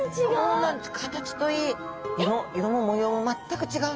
そうなんです。